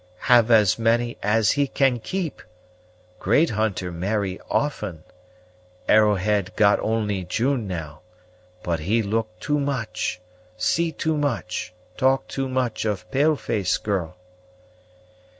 "Have as many as he can keep. Great hunter marry often. Arrowhead got only June now; but he look too much, see too much, talk too much of pale face girl."